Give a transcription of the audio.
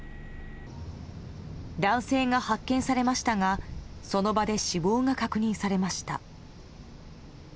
男性が発見されましたがその場で死亡が確認されました。